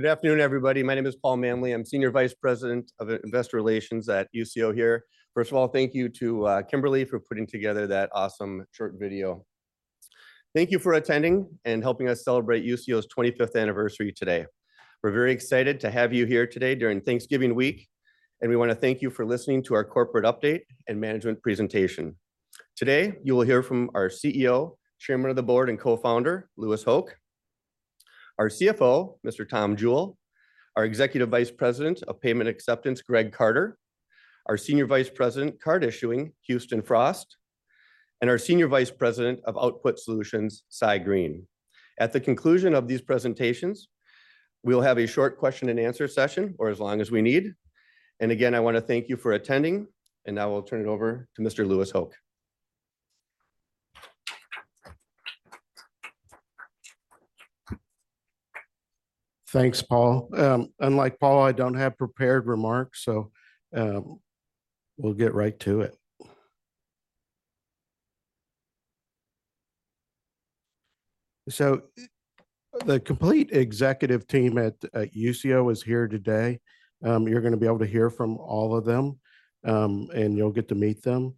Good afternoon, everybody. My name is Paul Manley. I'm Senior Vice President of Investor Relations at Usio here. First of all, thank you to Kimberly for putting together that awesome short video. Thank you for attending and helping us celebrate Usio's 25th anniversary today. We're very excited to have you here today during Thanksgiving week, and we want to thank you for listening to our corporate update and management presentation. Today, you will hear from our CEO, Chairman of the Board, and Co-founder, Louis Hoch; our CFO, Mr. Tom Jewell; our Executive Vice President of Payment Acceptance, Greg Carter; our Senior Vice President, Card Issuing, Houston Frost; and our Senior Vice President of Output Solutions, Sy Green. At the conclusion of these presentations, we'll have a short question and answer session or as long as we need. Again, I want to thank you for attending, and now I'll turn it over to Mr. Louis Hoch. Thanks, Paul. Unlike Paul, I don't have prepared remarks, so we'll get right to it. So the complete executive team at Usio is here today. You're gonna be able to hear from all of them, and you'll get to meet them.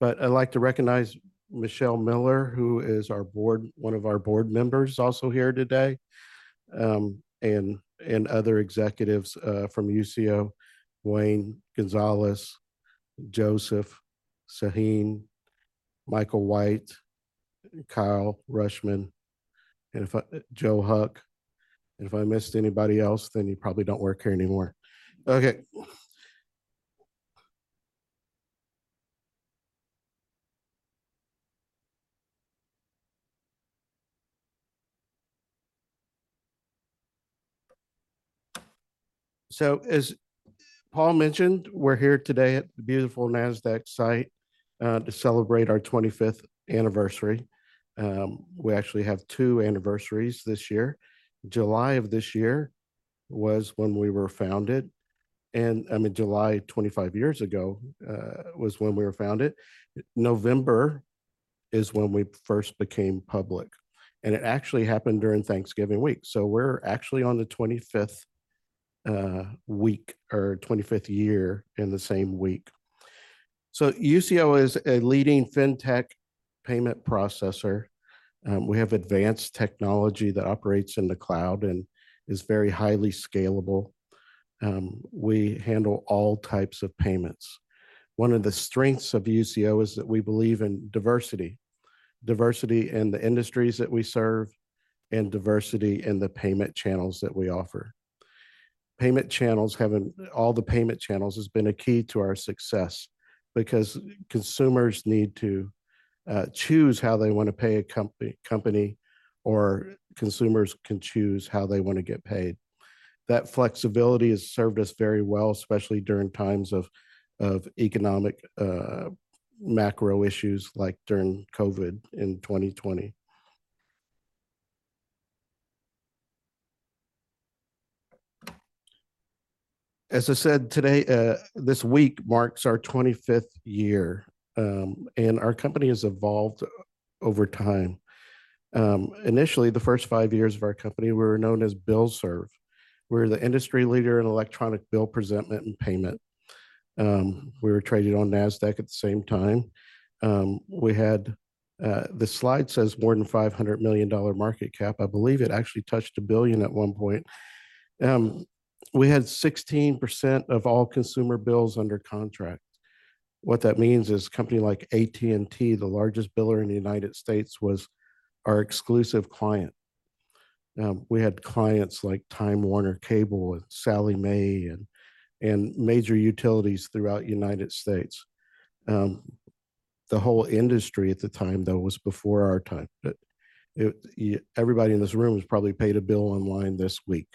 But I'd like to recognize Michelle Miller, who is one of our board members, also here today. And other executives from Usio: Wayne Gonzales, Joseph Saahene, Michael White, Kyle Ruschman, and if I—Joe Huch. And if I missed anybody else, then you probably don't work here anymore. Okay. So, as Paul mentioned, we're here today at the beautiful Nasdaq site to celebrate our 25th anniversary. We actually have two anniversaries this year. July of this year was when we were founded, and, I mean, July 25 years ago was when we were founded. November is when we first became public, and it actually happened during Thanksgiving week. So we're actually on the 25th week or 25th year in the same week. So Usio is a leading fintech payment processor. We have advanced technology that operates in the cloud and is very highly scalable. We handle all types of payments. One of the strengths of Usio is that we believe in diversity. Diversity in the industries that we serve, and diversity in the payment channels that we offer. All the payment channels has been a key to our success because consumers need to choose how they want to pay a company, or consumers can choose how they want to get paid. That flexibility has served us very well, especially during times of economic macro issues, like during COVID in 2020. As I said today, this week marks our 25th year, and our company has evolved over time. Initially, the first five years of our company, we were known as Billserv. We're the industry leader in electronic bill presentment and payment. We were traded on Nasdaq at the same time. We had, the slide says more than $500 million market cap. I believe it actually touched $1 billion at one point. We had 16% of all consumer bills under contract. What that means is a company like AT&T, the largest biller in the United States, was our exclusive client. We had clients like Time Warner Cable, and Sallie Mae, and major utilities throughout United States. The whole industry at the time, though, was before our time, but everybody in this room has probably paid a bill online this week.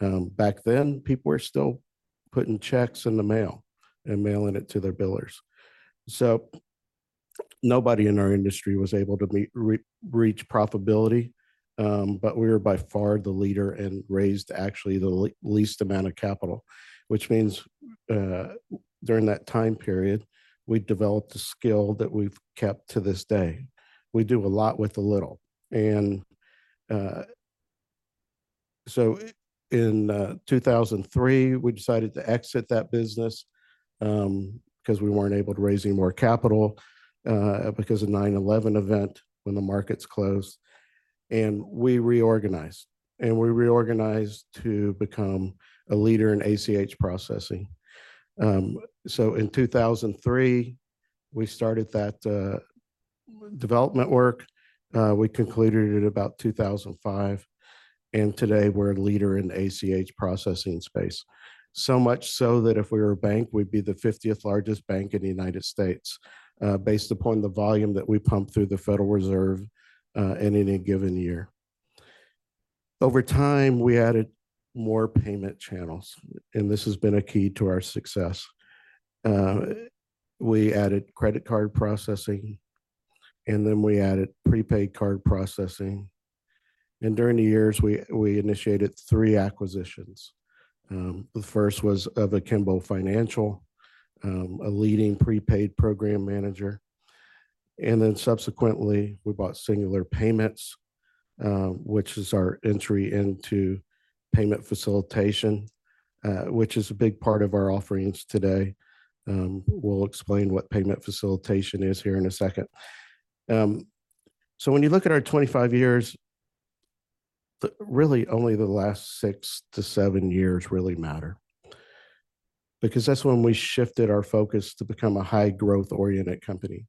Back then, people were still putting checks in the mail and mailing it to their billers. So nobody in our industry was able to meet, reach profitability, but we were by far the leader and raised actually the least amount of capital, which means, during that time period, we developed a skill that we've kept to this day. We do a lot with a little. And, so in, 2003, we decided to exit that business, because we weren't able to raise any more capital, because of 9/11 event, when the markets closed, and we reorganized. We reorganized to become a leader in ACH processing. In 2003, we started that development work. We concluded it about 2005, and today we're a leader in ACH processing space. So much so that if we were a bank, we'd be the 50th largest bank in the United States, based upon the volume that we pump through the Federal Reserve in any given year. Over time, we added more payment channels, and this has been a key to our success. We added credit card processing, and then we added prepaid card processing, and during the years, we initiated three acquisitions. The first was of Akimbo Financial, a leading prepaid program manager. And then subsequently, we bought Singular Payments, which is our entry into payment facilitation, which is a big part of our offerings today. We'll explain what payment facilitation is here in a second. So when you look at our 25 years, really only the last 6 years-7 years really matter, because that's when we shifted our focus to become a high growth-oriented company.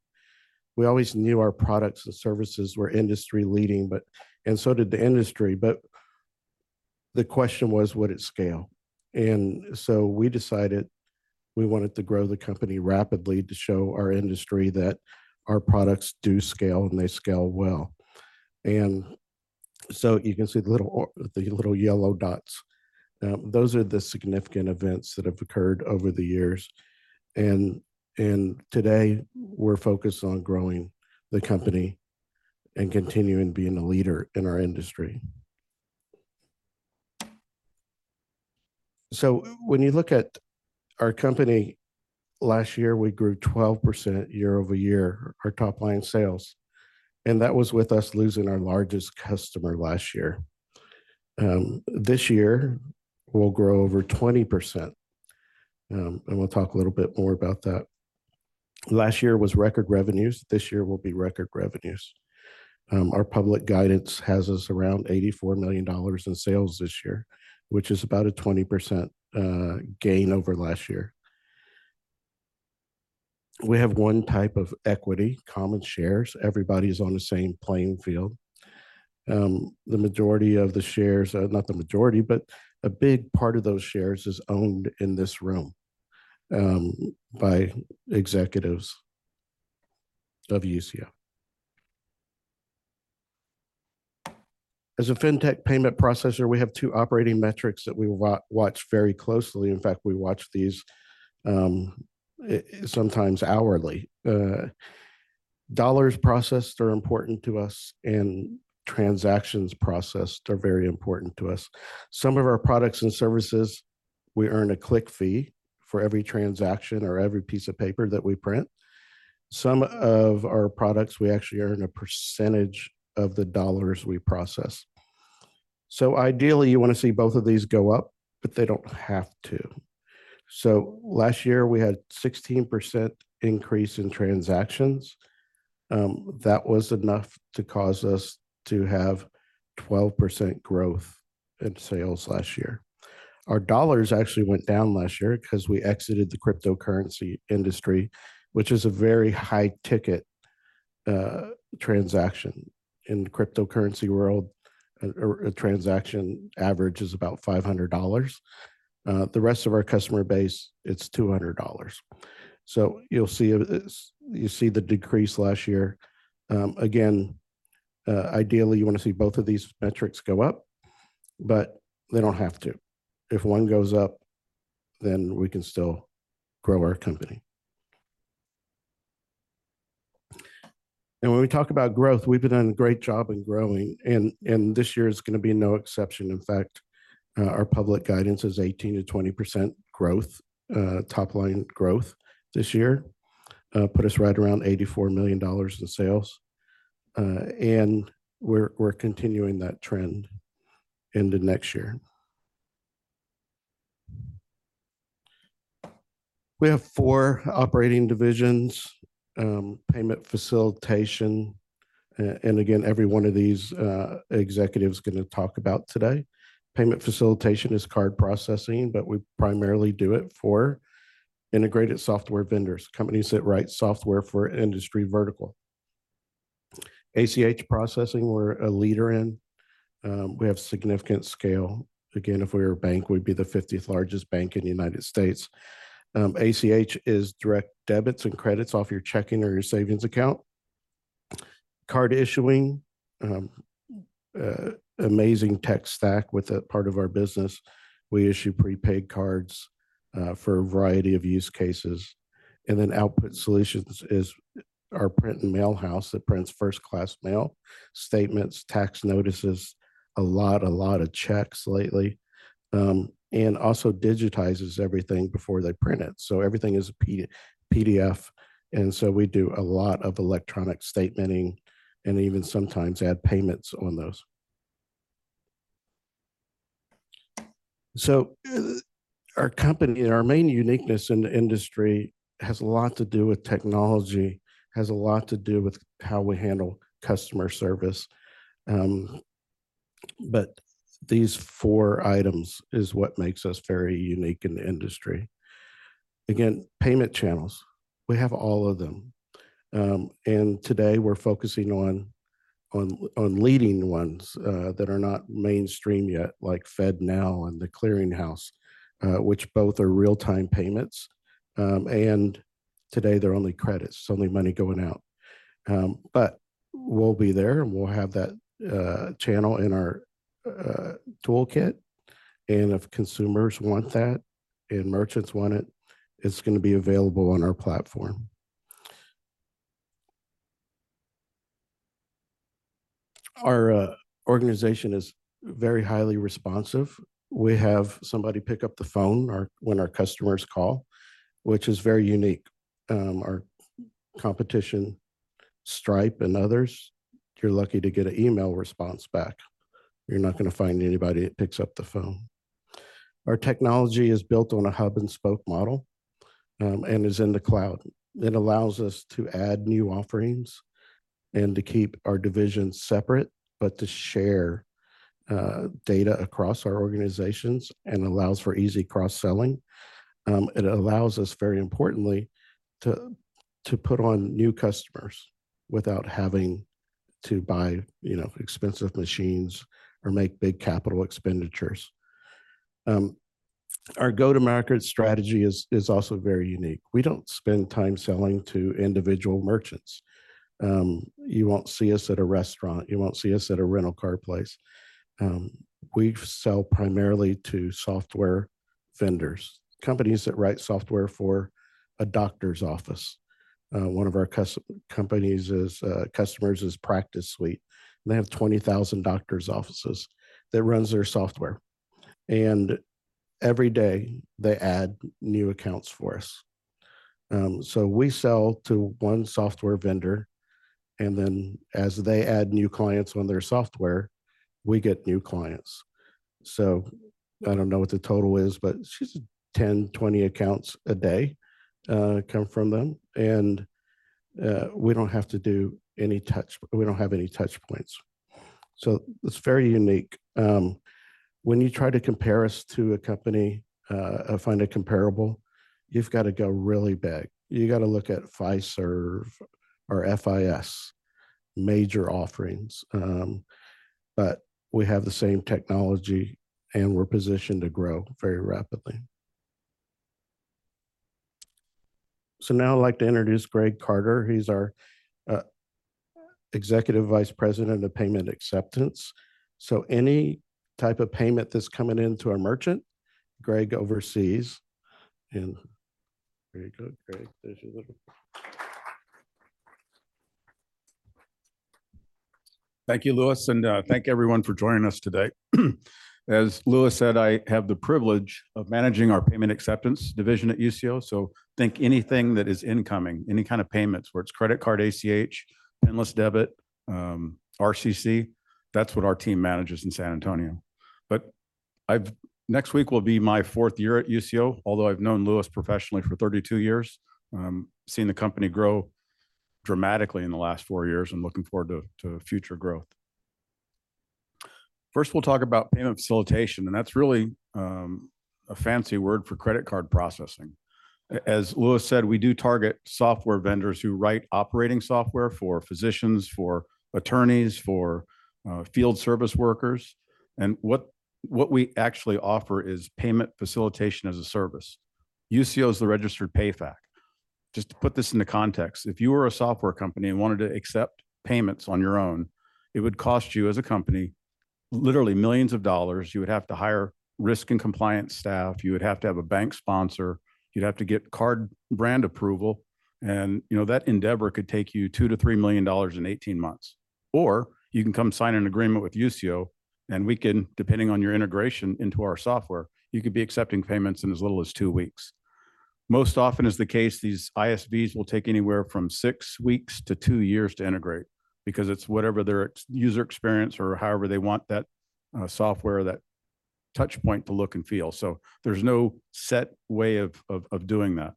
We always knew our products and services were industry leading, and so did the industry, but the question was, would it scale? And so we decided we wanted to grow the company rapidly to show our industry that our products do scale, and they scale well. And so you can see the little yellow dots. Those are the significant events that have occurred over the years, and today, we're focused on growing the company and continuing being a leader in our industry. So when you look at our company, last year, we grew 12% year-over-year, our top line sales, and that was with us losing our largest customer last year. This year, we'll grow over 20%. And we'll talk a little bit more about that. Last year was record revenues. This year will be record revenues. Our public guidance has us around $84 million in sales this year, which is about a 20% gain over last year. We have one type of equity, common shares. Everybody's on the same playing field. The majority of the shares, not the majority, but a big part of those shares is owned in this room, by executives of Usio. As a fintech payment processor, we have two operating metrics that we watch very closely. In fact, we watch these sometimes hourly. Dollars processed are important to us, and transactions processed are very important to us. Some of our products and services, we earn a click fee for every transaction or every piece of paper that we print. Some of our products, we actually earn a percentage of the dollars we process. So ideally, you want to see both of these go up, but they don't have to. So last year, we had 16% increase in transactions. That was enough to cause us to have 12% growth in sales last year. Our dollars actually went down last year 'cause we exited the cryptocurrency industry, which is a very high ticket transaction. In the cryptocurrency world, a transaction average is about $500. The rest of our customer base, it's $200. So you'll see a, you see the decrease last year. Again, ideally, you want to see both of these metrics go up, but they don't have to. If one goes up, then we can still grow our company. And when we talk about growth, we've been doing a great job in growing and this year is gonna be no exception. In fact, our public guidance is 18%-20% growth, top line growth this year. Put us right around $84 million in sales, and we're continuing that trend into next year. We have four operating divisions, payment facilitation, and again, every one of these executives are gonna talk about today. Payment facilitation is card processing, but we primarily do it for integrated software vendors, companies that write software for industry vertical. ACH processing, we're a leader in. We have significant scale. Again, if we were a bank, we'd be the 50th largest bank in the United States. ACH is direct debits and credits off your checking or your savings account. Card Issuing, amazing tech stack with a part of our business. We issue prepaid cards, for a variety of use cases, and then Output Solutions is our print and mail house that prints first class mail, statements, tax notices, a lot, a lot of checks lately. And also digitizes everything before they print it, so everything is a PDF, and so we do a lot of electronic statementing and even sometimes add payments on those. So our company, and our main uniqueness in the industry has a lot to do with technology, has a lot to do with how we handle customer service. But these four items is what makes us very unique in the industry. Again, payment channels, we have all of them. And today we're focusing on leading ones that are not mainstream yet, like FedNow and The Clearing House, which both are real-time payments. And today they're only credits, so only money going out. But we'll be there, and we'll have that channel in our toolkit, and if consumers want that and merchants want it, it's gonna be available on our platform. Our organization is very highly responsive. We have somebody pick up the phone when our customers call, which is very unique. Our competition, Stripe and others, you're lucky to get an email response back. You're not gonna find anybody that picks up the phone. Our technology is built on a hub-and-spoke model, and is in the cloud. It allows us to add new offerings and to keep our divisions separate, but to share data across our organizations and allows for easy cross-selling. It allows us, very importantly, to put on new customers without having to buy, you know, expensive machines or make big capital expenditures. Our go-to-market strategy is also very unique. We don't spend time selling to individual merchants. You won't see us at a restaurant, you won't see us at a rental car place. We sell primarily to software vendors, companies that write software for a doctor's office. One of our customers is PracticeSuite, and they have 20,000 doctor's offices that runs their software, and every day they add new accounts for us. So we sell to one software vendor, and then as they add new clients on their software, we get new clients. So I don't know what the total is, but it's just 10, 20 accounts a day come from them, and we don't have to do any touch we don't have any touch points. So it's very unique. When you try to compare us to a company, find a comparable, you've got to go really big. You've got to look at Fiserv or FIS, major offerings. But we have the same technology, and we're positioned to grow very rapidly. So now I'd like to introduce Greg Carter. He's our Executive Vice President of Payment Acceptance. So any type of payment that's coming into our merchant, Greg oversees. And very good, Greg. Thank you, Louis, and thank everyone for joining us today. As Louis said, I have the privilege of managing our Payment Acceptance division at Usio. So think anything that is incoming, any kind of payments, whether it's credit card, ACH, PINless debit, RCC, that's what our team manages in San Antonio. But next week will be my 4th year at Usio, although I've known Louis professionally for 32 years. Seen the company grow dramatically in the last four years and looking forward to future growth. First, we'll talk about payment facilitation, and that's really a fancy word for credit card processing. As Louis said, we do target software vendors who write operating software for physicians, for attorneys, for field service workers. And what we actually offer is payment facilitation as a service. Usio is the registered PayFac. Just to put this into context, if you were a software company and wanted to accept payments on your own, it would cost you, as a company, literally millions of dollars. You would have to hire risk and compliance staff, you would have to have a bank sponsor, you'd have to get card brand approval, and, you know, that endeavor could take you $2 million-$3 million in 18 months. Or you can come sign an agreement with Usio, and we can, depending on your integration into our software, you could be accepting payments in as little as two weeks. Most often is the case, these ISVs will take anywhere from six weeks to two years to integrate, because it's whatever their user experience or however they want that, software, that touch point to look and feel. So there's no set way of doing that.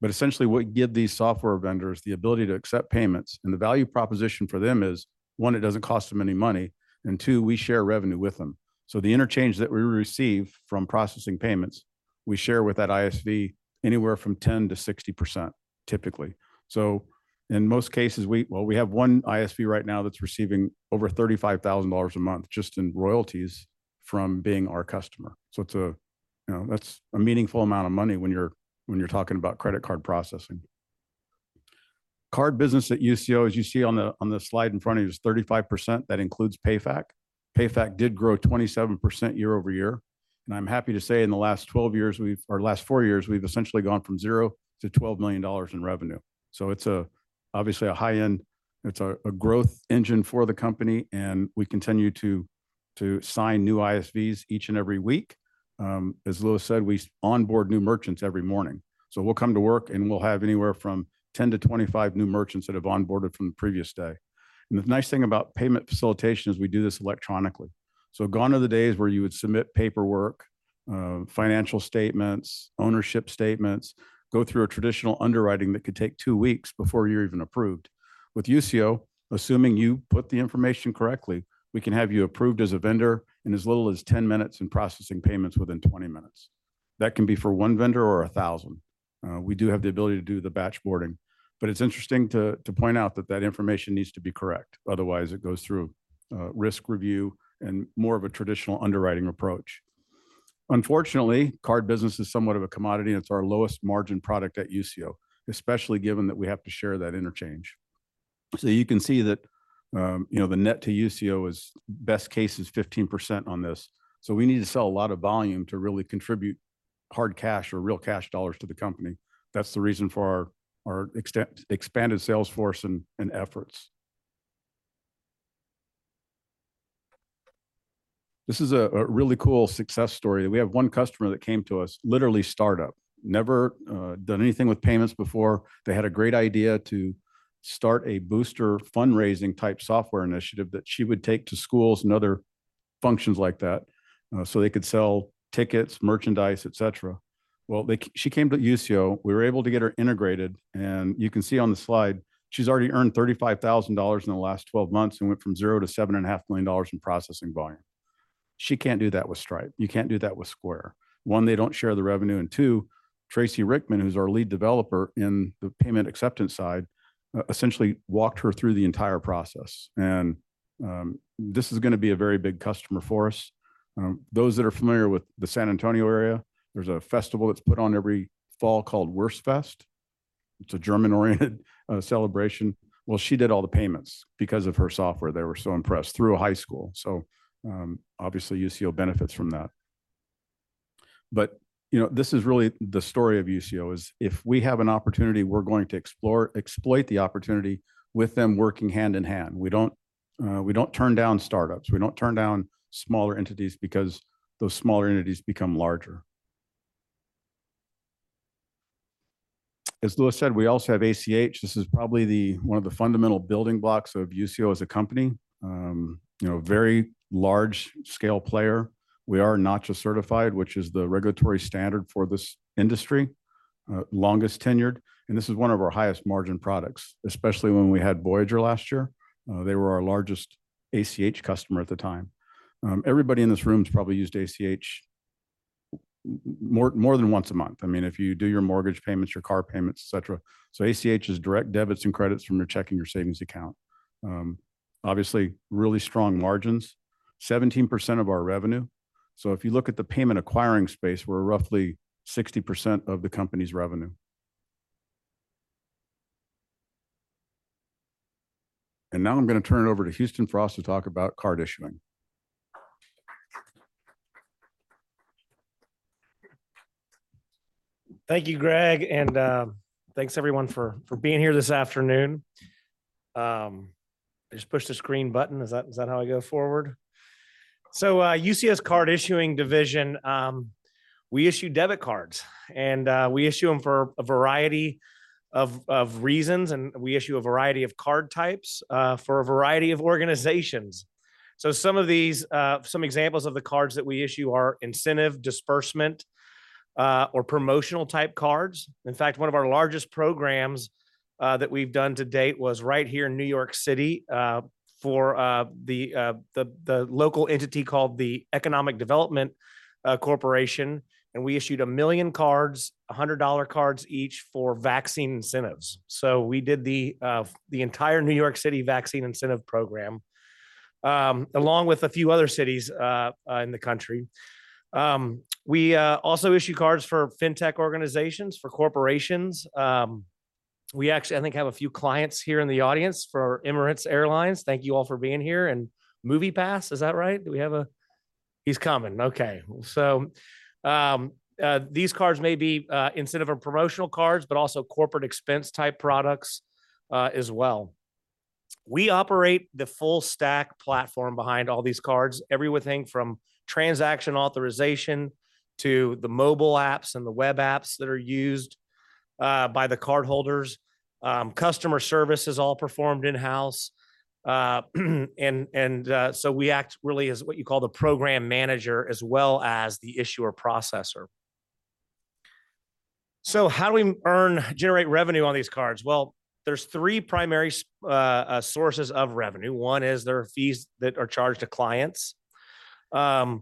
But essentially, what give these software vendors the ability to accept payments, and the value proposition for them is, one, it doesn't cost them any money, and two, we share revenue with them. So the interchange that we receive from processing payments, we share with that ISV anywhere from 10%-60%, typically. So in most cases, we, well, we have one ISV right now that's receiving over $35,000 a month just in royalties from being our customer. So it's a, you know, that's a meaningful amount of money when you're, when you're talking about credit card processing. Card business at Usio, as you see on the, on the slide in front of you, is 35%. That includes PayFac. PayFac did grow 27% year-over-year, and I'm happy to say in the last 12 years we've or last four years, we've essentially gone from zero to $12 million in revenue. So it's obviously a high-end growth engine for the company, and we continue to sign new ISVs each and every week. As Louis said, we onboard new merchants every morning. So we'll come to work, and we'll have anywhere from 10-25 new merchants that have onboarded from the previous day. And the nice thing about payment facilitation is we do this electronically. So gone are the days where you would submit paperwork, financial statements, ownership statements, go through a traditional underwriting that could take two weeks before you're even approved. With Usio, assuming you put the information correctly, we can have you approved as a vendor in as little as 10 minutes and processing payments within 20 minutes. That can be for one vendor or 1,000. We do have the ability to do the batch boarding, but it's interesting to point out that information needs to be correct, otherwise, it goes through risk review and more of a traditional underwriting approach. Unfortunately, card business is somewhat of a commodity, and it's our lowest margin product at Usio, especially given that we have to share that interchange. So you can see that, you know, the net to Usio is, best case, 15% on this. So we need to sell a lot of volume to really contribute hard cash or real cash dollars to the company. That's the reason for our expanded sales force and efforts. This is a really cool success story. We have one customer that came to us, literally startup. Never done anything with payments before. They had a great idea to start a booster fundraising-type software initiative that she would take to schools and other functions like that, so they could sell tickets, merchandise, et cetera. Well, she came to Usio, we were able to get her integrated, and you can see on the slide, she's already earned $35,000 in the last 12 months and went from zero to $7.5 million in processing volume. She can't do that with Stripe. You can't do that with Square. One, they don't share the revenue, and two, Tracy Rickman, who's our lead developer in the payment acceptance side, essentially walked her through the entire process. This is gonna be a very big customer for us. Those that are familiar with the San Antonio area, there's a festival that's put on every fall called Wurstfest. It's a German-oriented celebration. Well, she did all the payments because of her software, they were so impressed, through a high school. So, obviously Usio benefits from that. But, you know, this is really the story of Usio, is if we have an opportunity, we're going to explore, exploit the opportunity with them working hand in hand. We don't, we don't turn down startups. We don't turn down smaller entities because those smaller entities become larger. As Louis said, we also have ACH. This is probably one of the fundamental building blocks of Usio as a company. You know, very large-scale player. We are Nacha certified, which is the regulatory standard for this industry. Longest tenured, and this is one of our highest margin products, especially when we had Voyager last year. They were our largest ACH customer at the time. Everybody in this room has probably used ACH more than once a month. I mean, if you do your mortgage payments, your car payments, et cetera. So ACH is direct debits and credits from your checking or savings account. Obviously, really strong margins, 17% of our revenue. So if you look at the payment acquiring space, we're roughly 60% of the company's revenue. And now I'm gonna turn it over to Houston Frost to talk about Card Issuing. Thank you, Greg, and, thanks, everyone, for, for being here this afternoon. I just push this green button, is that, is that how I go forward? Usio's Card Issuing division, we issue debit cards, and, we issue them for a variety of, of reasons, and we issue a variety of card types, for a variety of organizations. Some of these, some examples of the cards that we issue are incentive, disbursement, or promotional-type cards. In fact, one of our largest programs, that we've done to date was right here in New York City, for the local entity called the New York City Economic Development Corporation, and we issued a million cards, $100 cards each, for vaccine incentives. So we did the entire New York City vaccine incentive program, along with a few other cities in the country. We also issue cards for fintech organizations, for corporations. We actually, I think, have a few clients here in the audience for Emirates Airlines. Thank you all for being here, and MoviePass, is that right? Do we have a... He's coming. Okay. So these cards may be incentive or promotional cards, but also corporate expense-type products as well. We operate the full stack platform behind all these cards, everything from transaction authorization to the mobile apps and the web apps that are used by the cardholders. Customer service is all performed in-house. So we act really as what you call the program manager as well as the issuer-processor. So how do we generate revenue on these cards? Well, there's three primary sources of revenue. One is there are fees that are charged to clients. A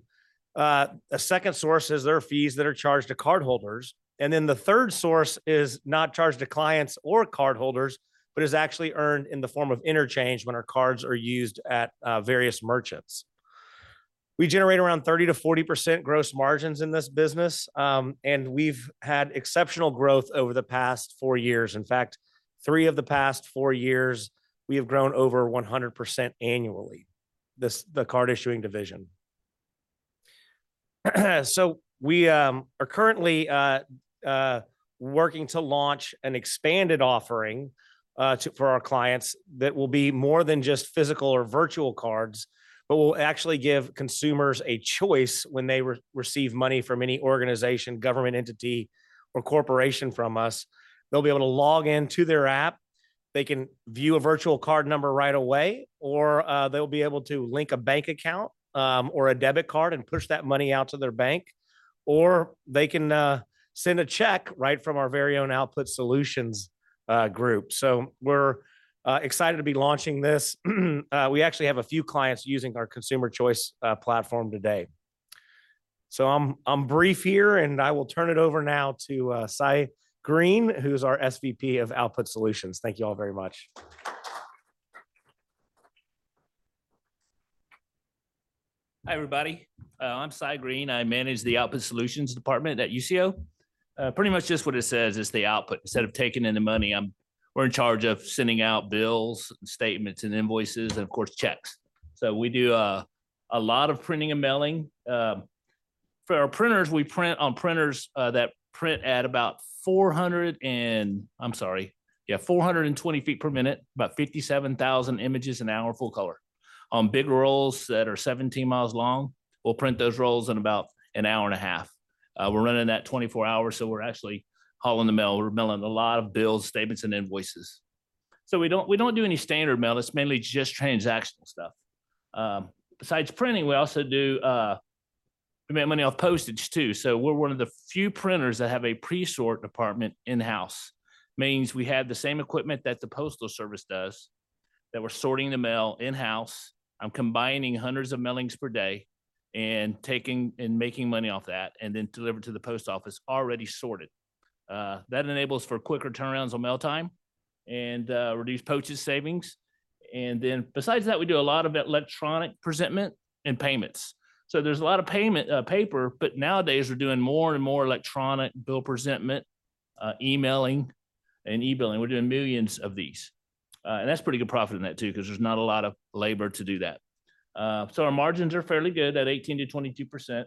second source is there are fees that are charged to cardholders, and then the third source is not charged to clients or cardholders, but is actually earned in the form of interchange when our cards are used at various merchants. We generate around 30%-40% gross margins in this business, and we've had exceptional growth over the past four years. In fact, three of the past four years, we have grown over 100% annually, this, the Card Issuing division. So we are currently working to launch an expanded offering for our clients that will be more than just physical or virtual cards, but will actually give consumers a choice when they receive money from any organization, government entity, or corporation from us. They'll be able to log in to their app. They can view a virtual card number right away, or they'll be able to link a bank account or a debit card and push that money out to their bank, or they can send a check right from our very own Output Solutions Group. So we're excited to be launching this. We actually have a few clients using our Consumer Choice platform today. So I'm brief here, and I will turn it over now to Sy Green, who's our SVP of Output Solutions. Thank you all very much. Hi, everybody. I'm Sy Green. I manage the Output Solutions department at Usio, pretty much just what it says, it's the output. Instead of taking in the money, we're in charge of sending out bills, and statements, and invoices, and of course, checks. So we do a lot of printing and mailing. For our printers, we print on printers that print at about 420 ft per minute, about 57,000 images an hour, full color. On big rolls that are 17 mi long, we'll print those rolls in about an hour and a half. We're running that 24 hours, so we're actually hauling the mail. We're mailing a lot of bills, statements, and invoices. So we don't do any standard mail. It's mainly just transactional stuff. Besides printing, we also do we make money off postage, too. So we're one of the few printers that have a pre-sort department in-house. Means we have the same equipment that the postal service does, that we're sorting the mail in-house and combining hundreds of mailings per day, and taking and making money off that, and then deliver to the post office already sorted. That enables for quicker turnarounds on mail time and reduced postage savings. And then, besides that, we do a lot of electronic presentment and payments. So there's a lot of payment paper, but nowadays, we're doing more and more electronic bill presentment, emailing, and e-billing. We're doing millions of these. And that's pretty good profit in that, too, 'cause there's not a lot of labor to do that. So our margins are fairly good, at 18%-22%.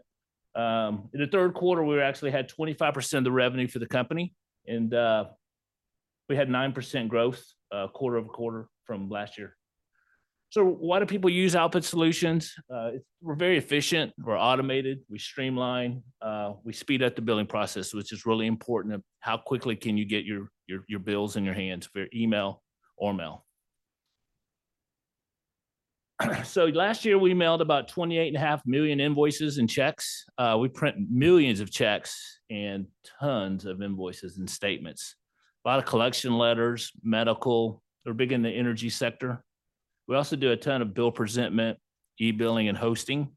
In the third quarter, we actually had 25% of the revenue for the company, and we had 9% growth quarter-over-quarter from last year. So why do people use Output Solutions? We're very efficient, we're automated, we streamline, we speed up the billing process, which is really important of how quickly can you get your, your, your bills in your hands via email or mail. So last year, we mailed about 28.5 million invoices and checks. We print millions of checks and tons of invoices and statements. A lot of collection letters, medical. We're big in the energy sector. We also do a ton of bill presentment, e-billing, and hosting.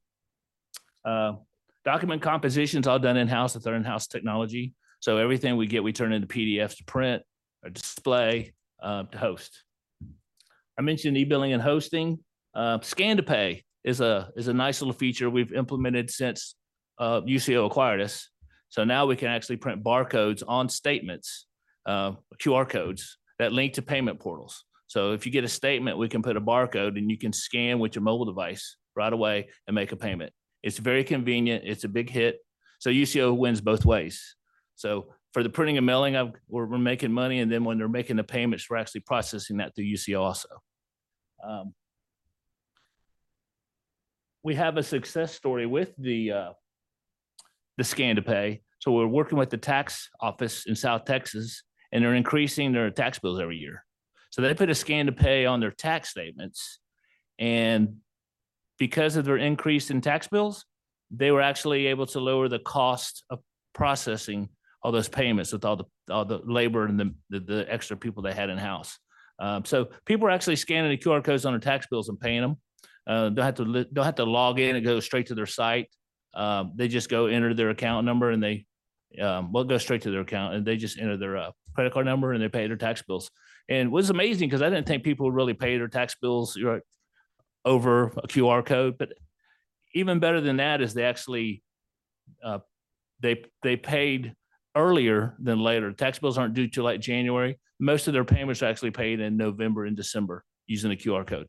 Document composition's all done in-house with our in-house technology, so everything we get, we turn into PDFs to print, or display, to host. I mentioned e-billing and hosting. Scan-to-Pay is a nice little feature we've implemented since Usio acquired us. So now we can actually print barcodes on statements, QR codes that link to payment portals. So if you get a statement, we can put a barcode, and you can scan with your mobile device right away and make a payment. It's very convenient. It's a big hit. So Usio wins both ways. So for the printing and mailing of... we're making money, and then, when they're making the payments, we're actually processing that through Usio also. We have a success story with the Scan-to-Pay. So we're working with the tax office in South Texas, and they're increasing their tax bills every year. They put a Scan-to-Pay on their tax statements, and because of their increase in tax bills, they were actually able to lower the cost of processing all those payments with all the labor and the extra people they had in-house. So people are actually scanning the QR codes on their tax bills and paying them. Don't have to log in. It goes straight to their site. They just go enter their account number, and they... well, it goes straight to their account, and they just enter their credit card number, and they pay their tax bills. And it was amazing, 'cause I didn't think people would really pay their tax bills, right, over a QR code. Even better than that is they actually paid earlier than later. Tax bills aren't due till, like, January. Most of their payments were actually paid in November and December using the QR code.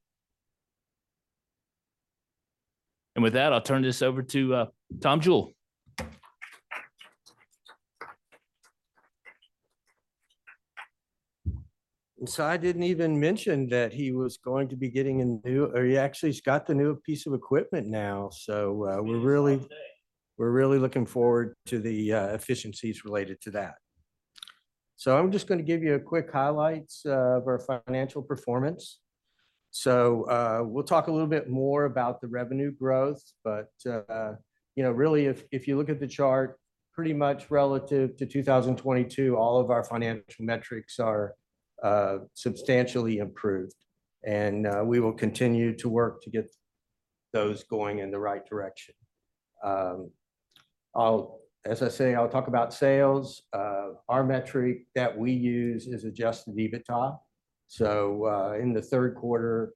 With that, I'll turn this over to Tom Jewell. Sy didn't even mention that he was going to be getting a new- or he actually has got the new piece of equipment now, so, we're really- We're really looking forward to the efficiencies related to that. So I'm just gonna give you a quick highlights of our financial performance. So, we'll talk a little bit more about the revenue growth, but, you know, really, if, if you look at the chart, pretty much relative to 2022, all of our financial metrics are substantially improved, and, we will continue to work to get those going in the right direction. As I say, I'll talk about sales. Our metric that we use is Adjusted EBITDA. So, in the third quarter,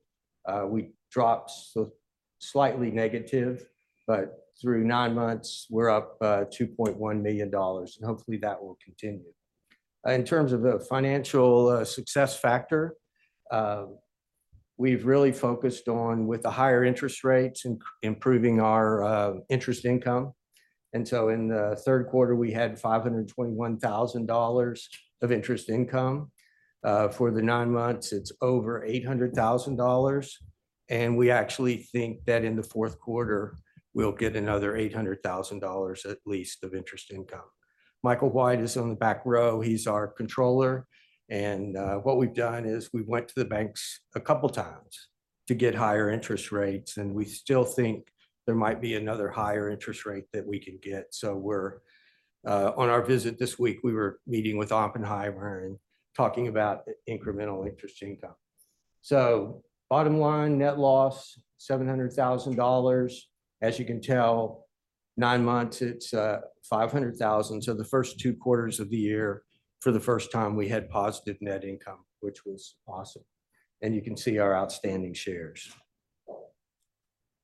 we dropped, so slightly negative, but through nine months, we're up $2.1 million, and hopefully, that will continue. In terms of the financial success factor, we've really focused on, with the higher interest rates, improving our interest income. In the third quarter, we had $521,000 of interest income. For the nine months, it's over $800,000, and we actually think that in the fourth quarter, we'll get another $800,000 at least of interest income. Michael White is on the back row. He's our controller. What we've done is we went to the banks a couple times to get higher interest rates, and we still think there might be another higher interest rate that we can get. We're on our visit this week, we were meeting with Oppenheimer and talking about incremental interest income. Bottom line, net loss, $700,000. As you can tell, nine months, it's $500,000. The first two quarters of the year, for the first time, we had positive net income, which was awesome, and you can see our outstanding shares.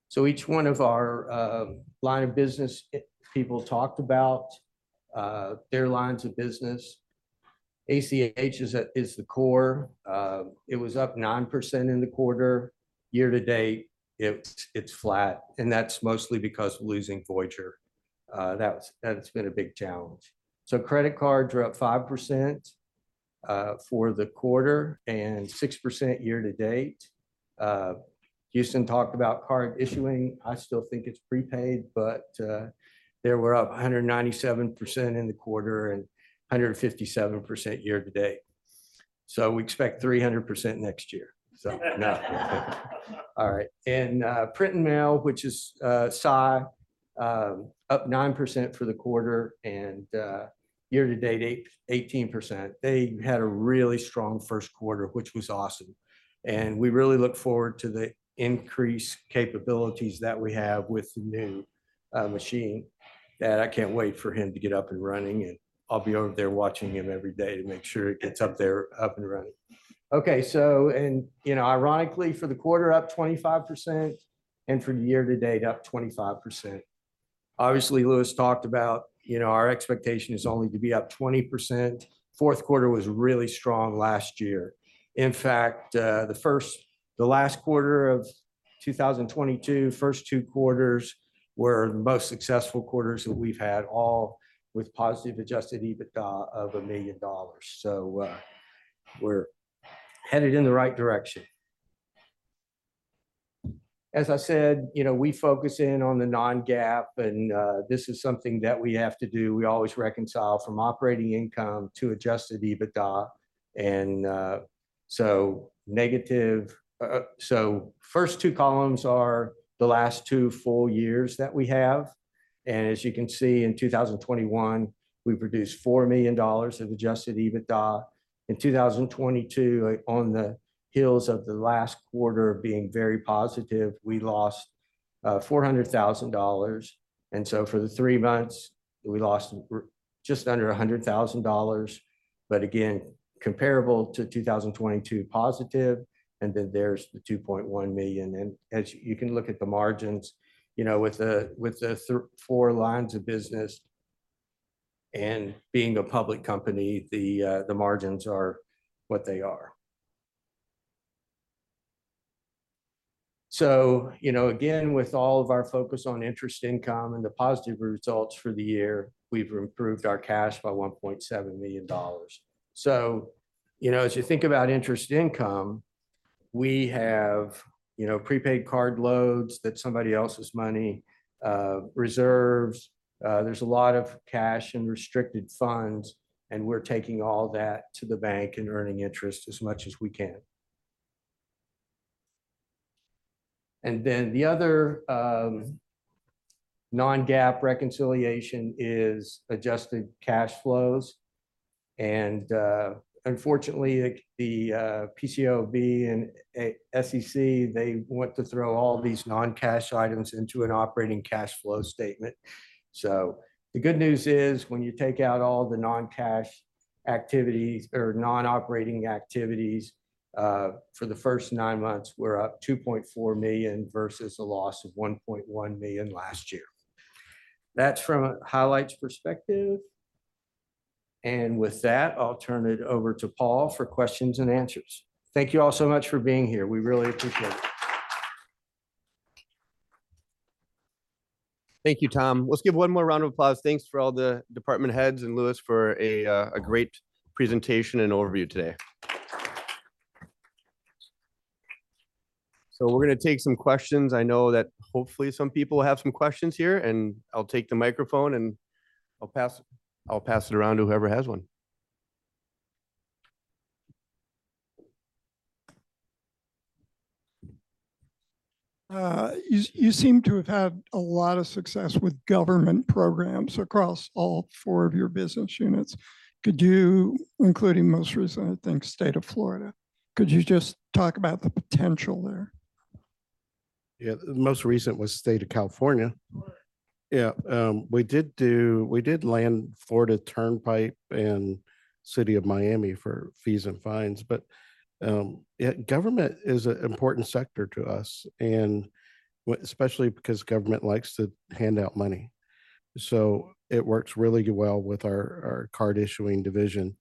So each one of our line of business people talked about their lines of business. ACH is the core. It was up 9% in the quarter. Year to date, it's flat, and that's mostly because of losing Voyager. That's been a big challenge. So credit cards were up 5% for the quarter, and 6% year to date. Houston talked about Card Issuing. I still think it's prepaid, but they were up 197% in the quarter and 157% year to date. So we expect 300% next year. So, no. All right. And print and mail, which is Sy, up 9% for the quarter, and year to date, 18%. They had a really strong first quarter, which was awesome, and we really look forward to the increased capabilities that we have with the new machine. And I can't wait for him to get up and running, and I'll be over there watching him every day to make sure it gets up there, up and running. Okay, so, and, you know, ironically, for the quarter, up 25%, and for the year to date, up 25%. Obviously, Louis talked about, you know, our expectation is only to be up 20%. Fourth quarter was really strong last year. In fact, the last quarter of 2022, first two quarters were the most successful quarters that we've had, all with positive adjusted EBITDA of $1 million. So, we're headed in the right direction. As I said, you know, we focus in on the non-GAAP, and this is something that we have to do. We always reconcile from operating income to adjusted EBITDA, and so negative, so first two columns are the last two full years that we have, and as you can see, in 2021, we produced $4 million of adjusted EBITDA. In 2022, on the heels of the last quarter being very positive, we lost $400,000, and so for the three months, we lost just under $100,000. But again, comparable to 2022, positive, and then there's the $2.1 million, and as you can look at the margins, you know, with the four lines of business, and being a public company, the margins are what they are. So, you know, again, with all of our focus on interest income and the positive results for the year, we've improved our cash by $1.7 million. So, you know, as you think about interest income, we have, you know, prepaid card loads, that's somebody else's money, reserves, there's a lot of cash and restricted funds, and we're taking all that to the bank and earning interest as much as we can. And then the other non-GAAP reconciliation is adjusted cash flows, and unfortunately, the PCAOB and SEC, they want to throw all these non-cash items into an operating cash flow statement. So the good news is, when you take out all the non-cash activities or non-operating activities, for the first nine months, we're up $2.4 million, versus a loss of $1.1 million last year. That's from a highlights perspective, and with that, I'll turn it over to Paul for questions and answers. Thank you all so much for being here. We really appreciate it. Thank you, Tom. Let's give one more round of applause. Thanks for all the department heads, and Louis, for a great presentation and overview today. So we're gonna take some questions. I know that hopefully some people have some questions here, and I'll take the microphone, and I'll pass, I'll pass it around to whoever has one. You seem to have had a lot of success with government programs across all four of your business units. Could you... including most recent, I think, State of Florida. Could you just talk about the potential there? Yeah, the most recent was State of California. Right. Yeah, we did land Florida Turnpike and City of Miami for fees and fines, but yeah, government is an important sector to us, and especially because government likes to hand out money. So it works really well with our Card Issuing division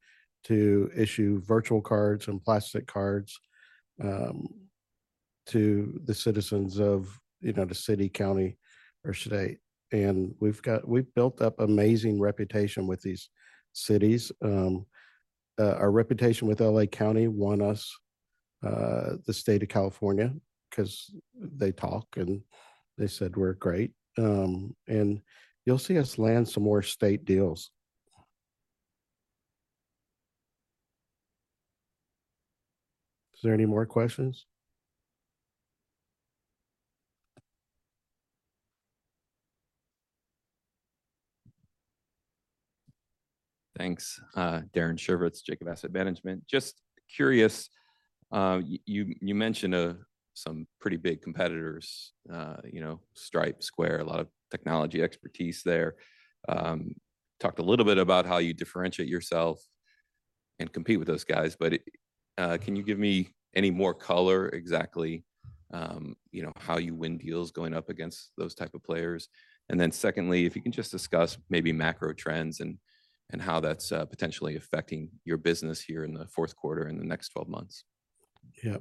to issue virtual cards and plastic cards to the citizens of, you know, the city, county, or state. And we've built up amazing reputation with these cities. Our reputation with LA County won us the state of California, 'cause they talk, and they said we're great. And you'll see us land some more state deals. Is there any more questions? Thanks. Darren Chervitz, Jacob Asset Management. Just curious, you mentioned some pretty big competitors, you know, Stripe, Square, a lot of technology expertise there. Talked a little bit about how you differentiate yourself and compete with those guys, but can you give me any more color exactly, you know, how you win deals going up against those type of players? And then secondly, if you can just discuss maybe macro trends and how that's potentially affecting your business here in the fourth quarter and the next 12 months. Yeah.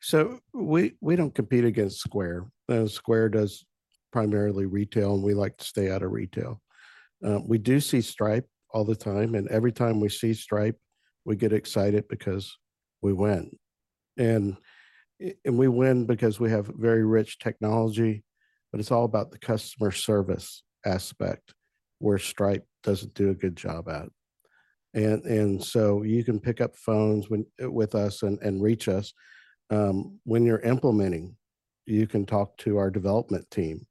So we don't compete against Square. Square does primarily retail, and we like to stay out of retail. We do see Stripe all the time, and every time we see Stripe, we get excited because we win. And we win because we have very rich technology, but it's all about the customer service aspect, where Stripe doesn't do a good job at. And so you can pick up phones with us and reach us. When you're implementing, you can talk to our development team,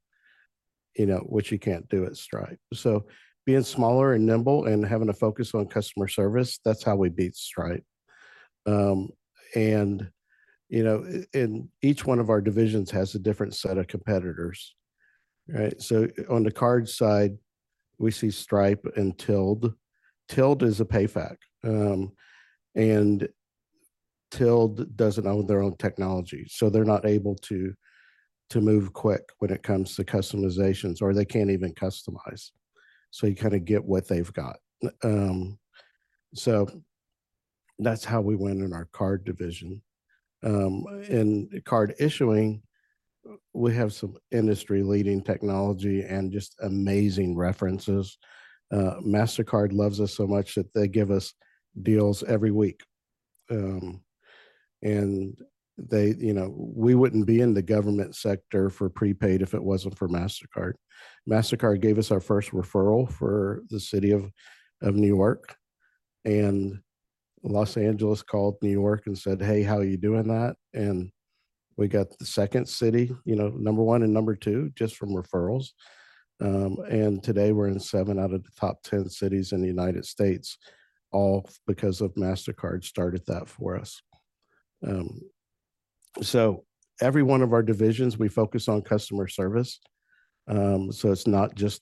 you know, which you can't do at Stripe. So being smaller and nimble and having a focus on customer service, that's how we beat Stripe. You know, each one of our divisions has a different set of competitors, right? So on the card side, we see Stripe and Tilled. Tilled is a PayFac, and Tilled doesn't own their own technology, so they're not able to move quick when it comes to customizations, or they can't even customize. So you kind of get what they've got. So that's how we win in our Card division. In Card Issuing, we have some industry-leading technology and just amazing references. Mastercard loves us so much that they give us deals every week. And they... You know, we wouldn't be in the government sector for prepaid if it wasn't for Mastercard. Mastercard gave us our first referral for the city of New York, and Los Angeles called New York and said, "Hey, how are you doing that?" And we got the second city, you know, number one and number two, just from referrals. And today we're in seven out of the top 10 cities in the United States, all because Mastercard started that for us. So every one of our divisions, we focus on customer service. So it's not just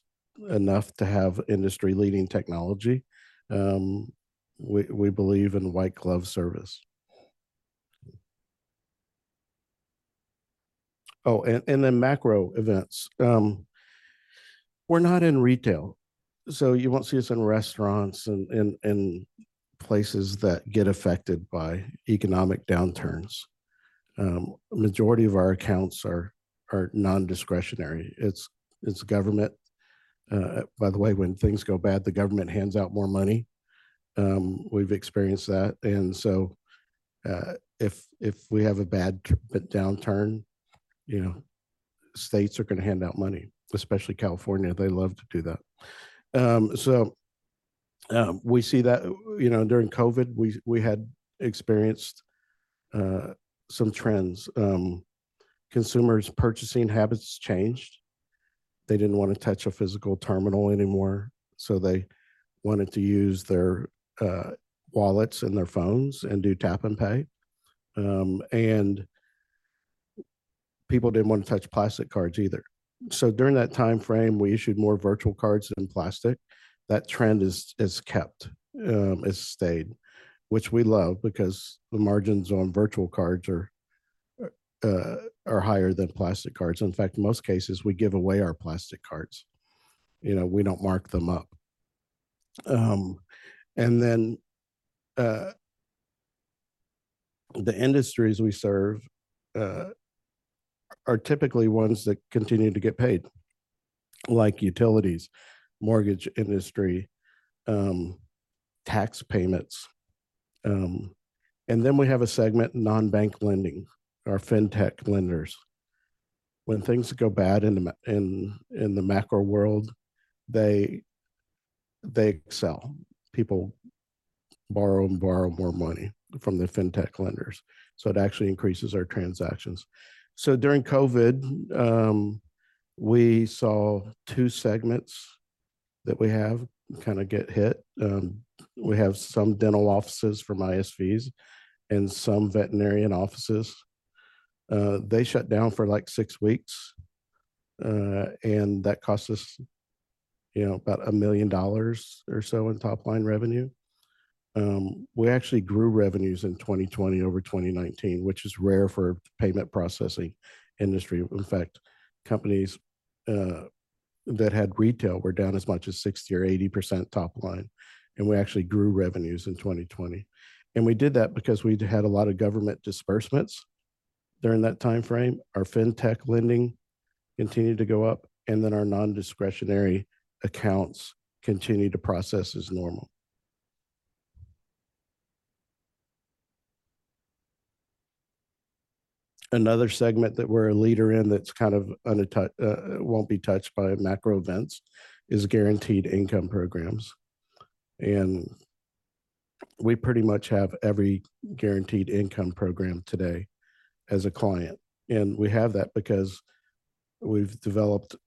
enough to have industry-leading technology, we believe in white glove service. Oh, and then macro events. We're not in retail, so you won't see us in restaurants and places that get affected by economic downturns. Majority of our accounts are non-discretionary. It's government. By the way, when things go bad, the government hands out more money. We've experienced that, and so, if we have a bad downturn, you know, states are gonna hand out money, especially California. They love to do that. So, we see that. You know, during COVID, we had experienced some trends. Consumers' purchasing habits changed. They didn't want to touch a physical terminal anymore, so they wanted to use their wallets and their phones and do tap and pay. People didn't want to touch plastic cards either. So during that time frame, we issued more virtual cards than plastic. That trend is kept, it's stayed, which we love because the margins on virtual cards are higher than plastic cards. In fact, in most cases, we give away our plastic cards. You know, we don't mark them up. The industries we serve are typically ones that continue to get paid, like utilities, mortgage industry, tax payments. We have a segment, non-bank lending, our fintech lenders. When things go bad in the macro world, they excel. People borrow and borrow more money from the fintech lenders, so it actually increases our transactions. So during COVID, we saw two segments that we have kind of get hit. We have some dental offices for ISVs and some veterinarian offices. They shut down for, like, six weeks, and that cost us, you know, about $1 million or so in top-line revenue. We actually grew revenues in 2020 over 2019, which is rare for payment processing industry. In fact, companies that had retail were down as much as 60% or 80% top line, and we actually grew revenues in 2020. We did that because we'd had a lot of government disbursements during that time frame. Our fintech lending continued to go up, and then our non-discretionary accounts continued to process as normal. Another segment that we're a leader in that's kind of ubiquitous won't be touched by macro events is guaranteed income programs, and we pretty much have every guaranteed income program today as a client. We have that because we've developed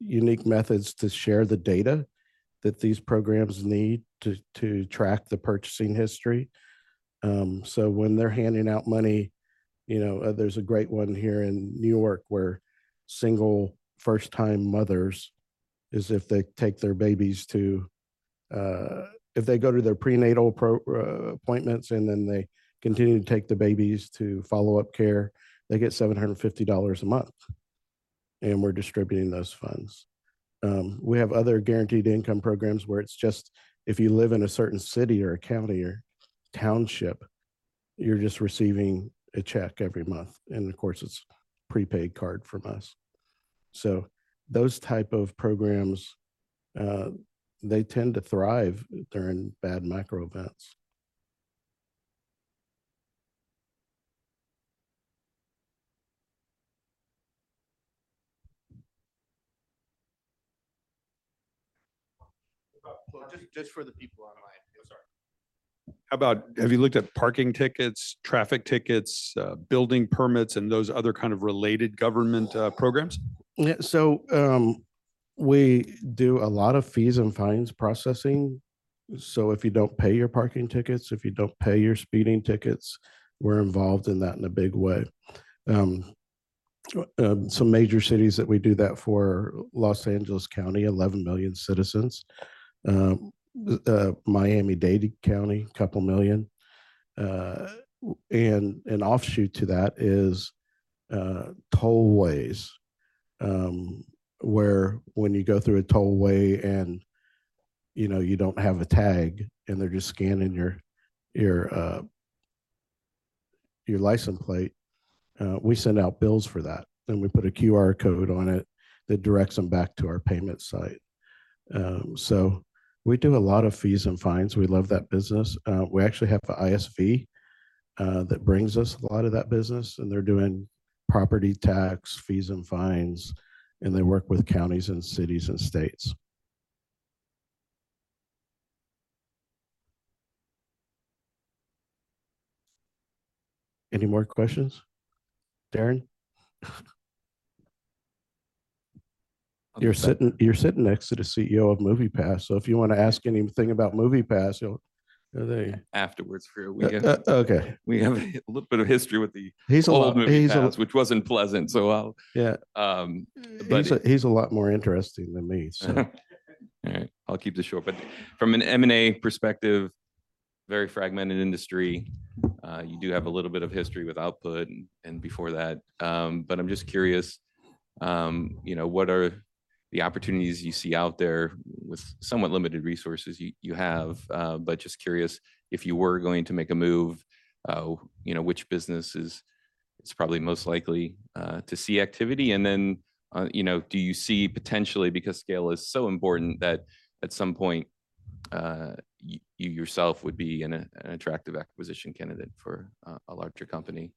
unique methods to share the data that these programs need to track the purchasing history, so when they're handing out money. You know, there's a great one here in New York where single first-time mothers is if they take their babies to their prenatal appointments, and then they continue to take the babies to follow-up care, they get $750 a month, and we're distributing those funds. We have other guaranteed income programs where it's just if you live in a certain city or a county or township, you're just receiving a check every month, and of course, it's a prepaid card from us. So those type of programs, they tend to thrive during bad micro events. Well, just for the people online. Oh, sorry. How about, have you looked at parking tickets, traffic tickets, building permits, and those other kind of related government programs? Yeah, so we do a lot of fees and fines processing. So if you don't pay your parking tickets, if you don't pay your speeding tickets, we're involved in that in a big way. Some major cities that we do that for, Los Angeles County, 11 million citizens, Miami-Dade County, a couple million. And an offshoot to that is tollways, where when you go through a tollway and, you know, you don't have a tag, and they're just scanning your license plate, we send out bills for that, and we put a QR code on it that directs them back to our payment site. So we do a lot of fees and fines. We love that business. We actually have the ISV that brings us a lot of that business, and they're doing property tax, fees and fines, and they work with counties and cities and states. Any more questions? Darren? You're sitting next to the CEO of MoviePass, so if you wanna ask anything about MoviePass, you'll- are they- All right, I'll keep this short, but from an M&A perspective, very fragmented industry. You do have a little bit of history with Output and, and before that. But I'm just curious, you know, what are the opportunities you see out there with somewhat limited resources you have? But just curious, if you were going to make a move, you know, which business is probably most likely to see activity? And then, you know, do you see potentially, because scale is so important, that at some point, you yourself would be an attractive acquisition candidate for a larger company?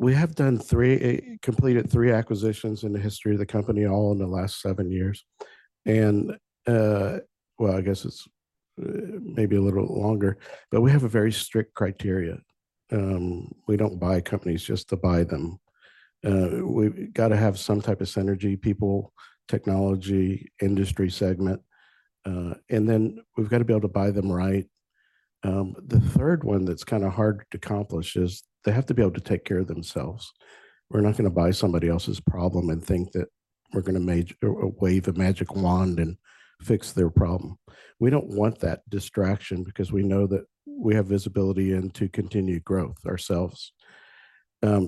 We have completed three acquisitions in the history of the company, all in the last seven years. Maybe a little longer, but we have a very strict criteria. We don't buy companies just to buy them. We've got to have some type of synergy, people, technology, industry segment, and then we've got to be able to buy them right. The third one that's kind of hard to accomplish is they have to be able to take care of themselves. We're not gonna buy somebody else's problem and think that we're gonna wave a magic wand and fix their problem. We don't want that distraction because we know that we have visibility into continued growth ourselves.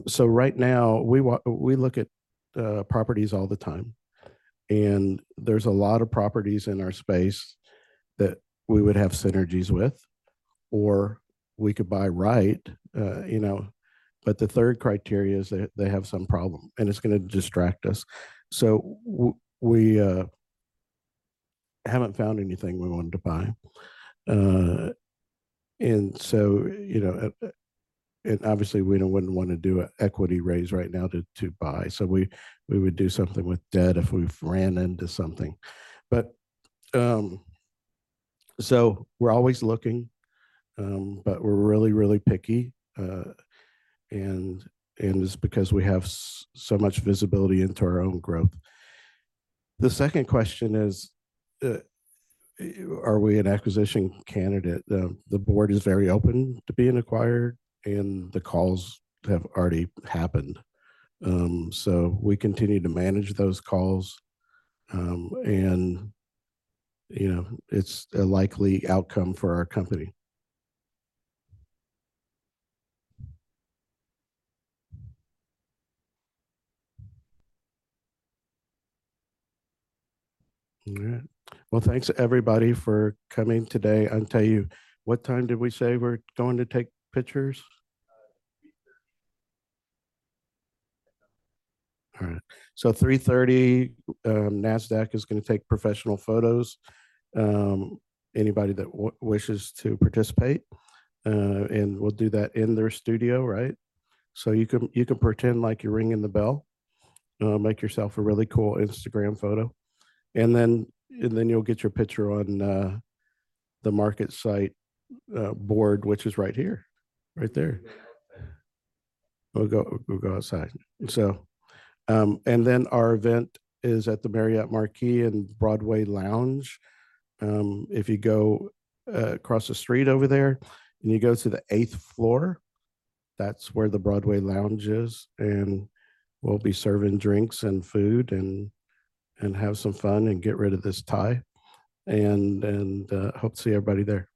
So right now, we look at properties all the time, and there's a lot of properties in our space that we would have synergies with or we could buy right, you know? But the third criteria is that they have some problem, and it's gonna distract us. So we haven't found anything we wanted to buy. And so, you know, and obviously, we wouldn't wanna do an equity raise right now to buy. So we would do something with debt if we ran into something. But so we're always looking, but we're really, really picky, and it's because we have so much visibility into our own growth. The second question is, are we an acquisition candidate? The board is very open to being acquired, and the calls have already happened. We continue to manage those calls, and, you know, it's a likely outcome for our company. All right. Well, thanks, everybody, for coming today. I'll tell you, what time did we say we're going to take pictures? All right, so 3:30 P.M., Nasdaq is gonna take professional photos. Anybody that wishes to participate, and we'll do that in their studio, right? So you can, you can pretend like you're ringing the bell, make yourself a really cool Instagram photo, and then, and then you'll get your picture on the MarketSite board, which is right here. Right there. We'll go outside. We'll go outside. So, then our event is at the Marriott Marquis in Broadway Lounge. If you go across the street over there, and you go to the 8th floor, that's where the Broadway Lounge is, and we'll be serving drinks and food and have some fun and get rid of this tie, and hope to see everybody there.